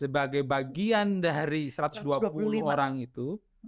sebagai bagian dari satu ratus dua puluh orang itu